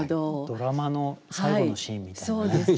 ドラマの最後のシーンみたいなね。